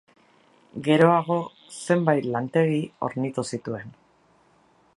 Geroago zenbait lantegi hornitu zituen.